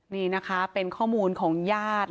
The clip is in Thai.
นี่นะคะเป็นข้อมูลของญาติ